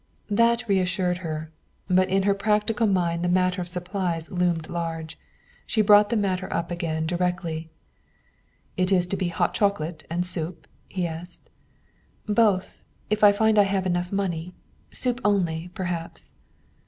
That reassured her. But in her practical mind the matter of supplies loomed large. She brought the matter up again directly. "It is to be hot chocolate and soup?" he asked. "Both, if I find I have enough money. Soup only, perhaps."